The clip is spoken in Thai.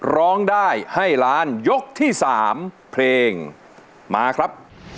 ร้องได้ให้ล้านยกที่๓เพลงมาครับ